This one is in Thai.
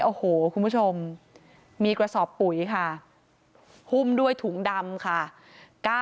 โอ้โหคุณผู้ชมมีกระสอบปุ๋ยค่ะหุ้มด้วยถุงดำค่ะ